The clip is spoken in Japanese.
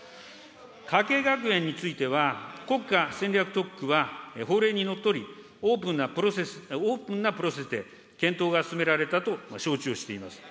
加計学園については、国家戦略特区は法令にのっとり、オープンなプロセス、オープンなプロセスで検討が進められたと承知をしております。